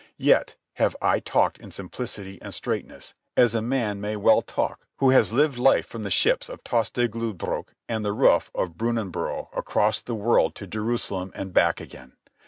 Yet have I talked in simplicity and straightness, as a man may well talk who has lived life from the ships of Tostig Lodbrog and the roof of Brunanbuhr across the world to Jerusalem and back again.